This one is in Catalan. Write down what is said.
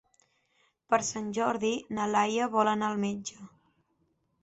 Per Sant Jordi na Laia vol anar al metge.